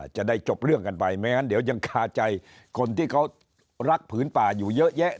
จะได้จบเรื่องกันไปไม่งั้นเดี๋ยวยังคาใจคนที่เขารักผืนป่าอยู่เยอะแยะ